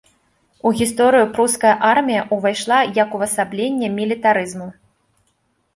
У гісторыю пруская армія ўвайшла як увасабленне мілітарызму.